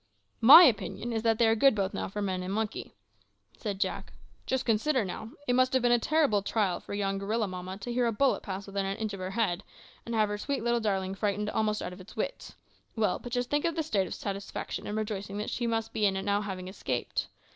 "My opinion is that they are good both for man and monkey," said Jack. "Just consider, now: it must have been a terrible trial for yon gorilla mamma to hear a bullet pass within an inch of her head, and have her sweet little darling frightened almost out of its wits. Well, but just think of the state of satisfaction and rejoicing that she must be in now at having escaped.